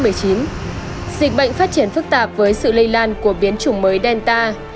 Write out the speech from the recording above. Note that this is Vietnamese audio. dịch bệnh phát triển phức tạp với sự lây lan của biến chủng mới delta